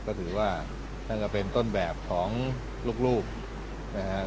ก็ถือว่านั่นก็เป็นต้นแบบของลูกนะครับ